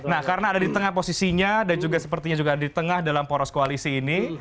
nah karena ada di tengah posisinya dan juga sepertinya juga di tengah dalam poros koalisi ini